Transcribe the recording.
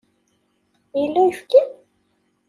Yella uyefki?